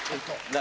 何？